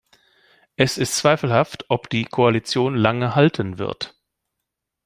Es ist zweifelhaft, ob die Koalition lange halten wird.